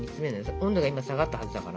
温度が今下がったはずだから。